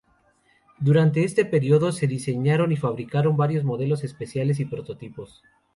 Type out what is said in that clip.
Durante este periodo, se diseñaron y fabricaron varios modelos especiales y prototipos.